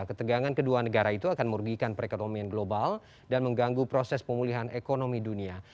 ketegangan kedua negara itu akan merugikan perekonomian global dan mengganggu proses pemulihan ekonomi dunia